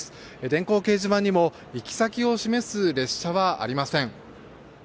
電光掲示板にも行き先を示す列車はありません。